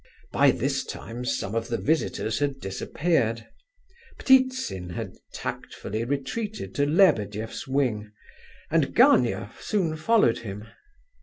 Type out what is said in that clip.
By this time some of the visitors had disappeared. Ptitsin had tactfully retreated to Lebedeff's wing; and Gania soon followed him.